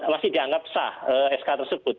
masih dianggap sah sk tersebut